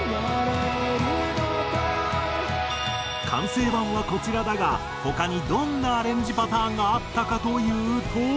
完成版はこちらだが他にどんなアレンジパターンがあったかというと。